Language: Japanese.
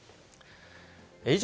以上、